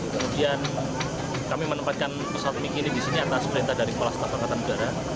kemudian kami menempatkan pesawat mig ini di sini atas perintah dari kuala setapakatan negara